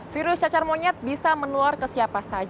virus cacar monyet bisa meneluar kesiapan